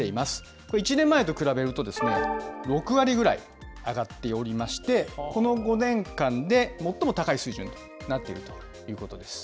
これ、１年前と比べると６割ぐらい上がっておりまして、この５年間で最も高い水準になっているということです。